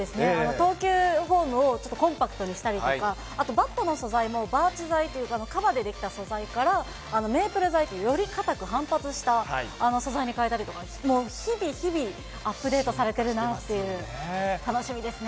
投球フォームをちょっとコンパクトにしたりとか、あとバットの素材もというか、かばで出来た素材から、メイプル材という、よりかたく反発した素材に変えたということで、もう日々、日々、アップデートされてるなっていう、楽しみですね。